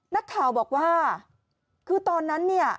นักข่าวบอกว่าคือตอนนั้นเนี่ย